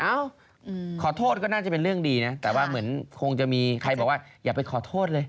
เอ้าขอโทษก็น่าจะเป็นเรื่องดีนะแต่ว่าเหมือนคงจะมีใครบอกว่าอย่าไปขอโทษเลย